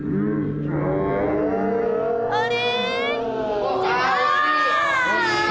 あれ？